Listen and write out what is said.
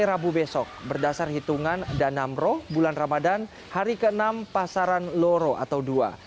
rabu besok berdasar hitungan danamro bulan ramadan hari ke enam pasaran loro atau dua